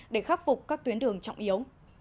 để khắc phục các tuyến đường trọng yếu